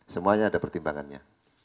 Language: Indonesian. semuanya ada pertimbangannya